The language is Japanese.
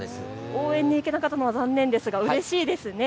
応援に行けなかったのは残念ですが、うれしいですね。